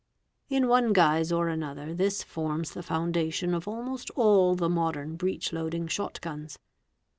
In one guise or another this forms the foundation of almost all the modern breech loading shot guns.